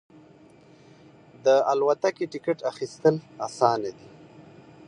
د الوتکې ټکټ اخیستل اسانه دی.